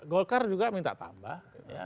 golkar juga minta tambah